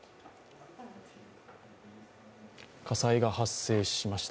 火災が発生しました。